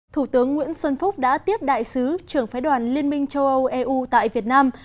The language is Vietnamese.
thủ tướng nguyễn xuân phúc đã tiếp đại sứ trưởng phái đoàn liên minh châu âu eu tại việt nam